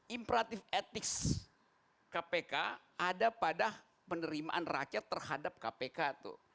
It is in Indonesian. imperatif etik kpk ada pada penerimaan rakyat terhadap kpk tuh